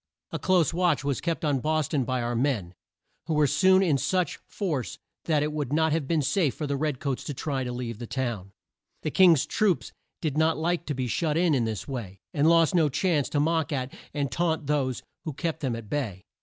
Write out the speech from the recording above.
A close watch was kept on Bos ton by our men, who were soon in such force that it would not have been safe for the red coats to try to leave the town. The Kings troops did not like to be shut in, in this way, and lost no chance to mock at and taunt those who kept them at bay.